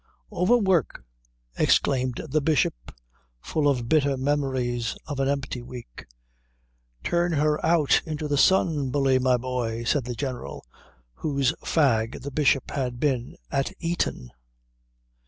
"Overwork!" exclaimed the Bishop, full of bitter memories of an empty week. "Turn her out into the sun, Bully, my boy," said the general whose fag the Bishop had been at Eton.